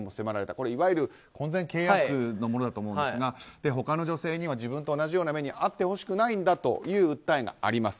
これ、いわゆる婚前契約のものだと思うんですが他の女性には自分と同じような目に遭ってほしくないという訴えがあります。